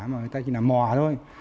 mà người ta chỉ làm mò thôi